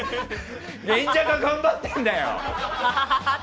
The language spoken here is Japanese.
演者が頑張ってんだよ！